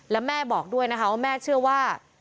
และแม่บอกด้วยนะคะว่าแม่เชื่อว่า